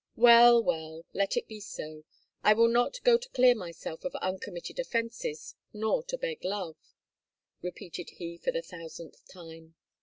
Well, well! Let it be so! I will not go to clear myself of uncommitted offences, nor to beg love," repeated he for the thousandth time.